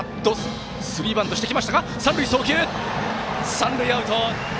三塁アウト！